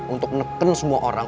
untuk neken semua orang